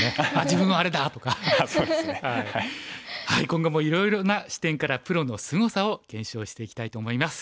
今後もいろいろな視点からプロのすごさを検証していきたいと思います。